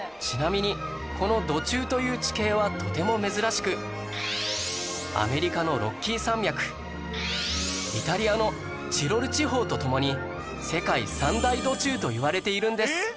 ちなみにこの土柱という地形はとても珍しくアメリカのロッキー山脈イタリアのチロル地方と共に世界三大土柱といわれているんです